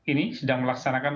ini sedang melaksanakan